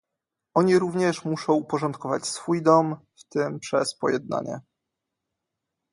Oni również muszą uporządkować swój dom, w tym przez pojednanie